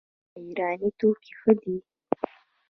آیا ایراني توکي ښه دي؟